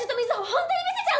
本当に見せちゃうの？